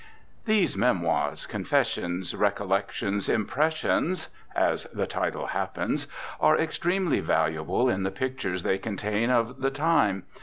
"These Memoirs, Confessions, Recollections, Impressions (as the title happens) are extremely valuable in the pictures they contain of the time.